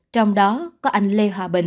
trong đó có anh lê hòa bình